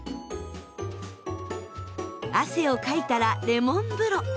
汗をかいたらレモン風呂。